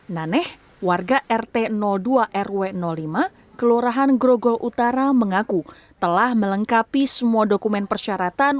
naneh warga rt dua rw lima kelurahan grogol utara mengaku telah melengkapi semua dokumen persyaratan